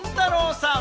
さん。